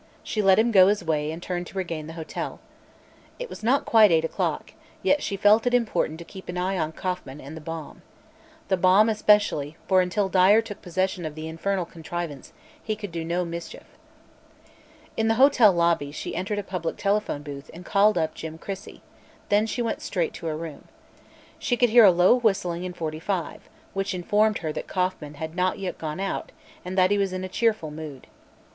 She let him go his way and turned to regain the hotel. It was not quite eight o'clock, yet she felt it important to keep an eye on Kauffman and the bomb. The bomb, especially, for until Dyer took possession of the infernal contrivance he could do no mischief. In the hotel lobby she entered a public telephone booth and called up Jim Crissey; then she went straight to her room. She could hear a low whistling in 45, which informed her that Kauffman had not yet gone out and that he was in a cheerful mood.